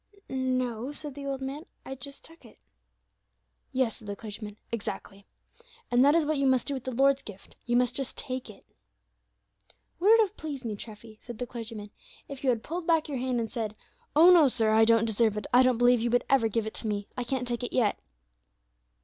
"No," said the old man, "I just took it." "Yes," said the clergyman, "exactly; and that is what you must do with the Lord's gift; you must just take it." [Illustration: Christie and Master Treffy.] "Would it have pleased me, Treffy," said the clergyman, "if you had pulled your hand back and said, 'Oh, no, sir! I don't deserve it; I don't believe you would ever give it to me; I can't take it yet?'"